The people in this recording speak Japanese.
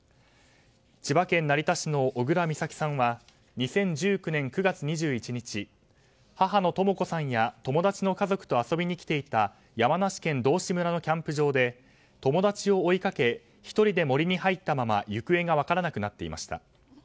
千葉県成田市の小倉美咲さんは２０１９年９月１１日母のとも子さんや友達の家族と遊びに来ていた山梨県道志村のキャンプ場で友達を追いかけ１人で森に入ったまま行方が分からなくなっていました。